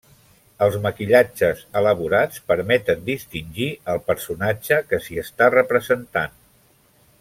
Els maquillatges elaborats permeten distingir el personatge que s'hi està representant.